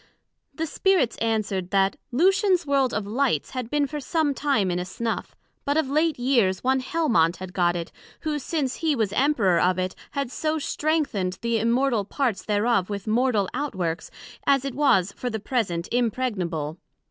The Spirits answered, That Lucian's World of Lights, had been for some time in a snuff, but of late years one Helmont had got it, who since he was Emperour of it, had so strengthened the Immortal parts thereof with mortal out works, as it was for the present impregnable.